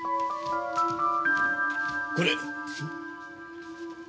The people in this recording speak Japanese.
これ。